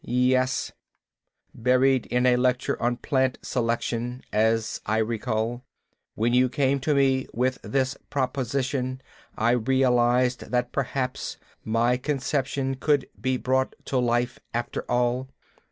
"Yes, buried in a lecture on plant selection, as I recall. When you came to me with this proposition I realized that perhaps my conception could be brought to life, after all.